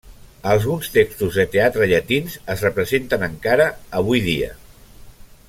Alguns textos de teatre llatins es representen encara avui dia.